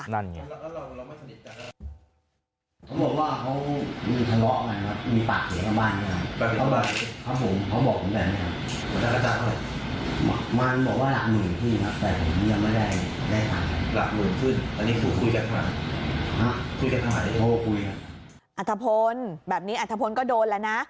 นัทพลแบบนี้อัธพลก็โดนแล้วนะ